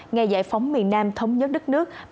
ngày giải phóng miền nam thống nhất đất nước